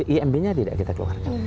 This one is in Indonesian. imb nya tidak kita keluarkan